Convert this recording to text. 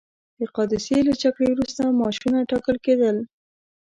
د قادسیې له جګړې وروسته معاشونه ټاکل کېدل.